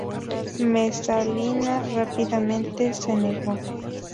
Mesalina rápidamente se negó.